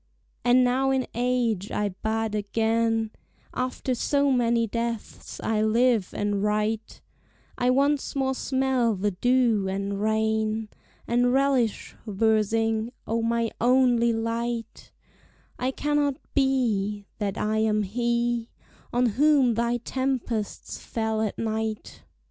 And now in age I bud again; After so many deaths I live and write; I once more smell the dew and rain, And relish versing: O my only light, It cannot be That I am he On whom thy tempests fell all night!